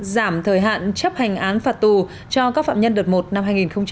giảm thời hạn chấp hành án phạt tù cho các phạm nhân đợt một năm hai nghìn hai mươi